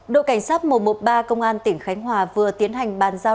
đội cảnh sát một trăm một mươi ba công an tỉnh khánh hòa vừa tiến hành bàn giao